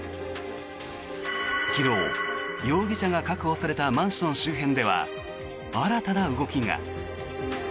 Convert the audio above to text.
昨日、容疑者が確保されたマンション周辺では新たな動きが。